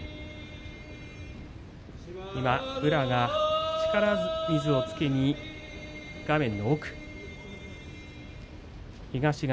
今、宇良が力水をつけに画面の奥東方。